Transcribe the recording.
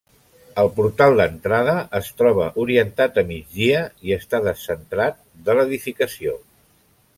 El portal d'entrada es troba orientat a migdia i està descentrat de l'edificació.